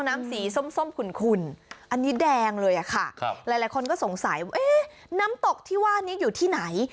น้ำสีส้มขุ่นอันนี้แดงเลยค่ะหลายคนก็สงสัยว่าน้ำตกที่ว่านี้อยู่ที่ไหน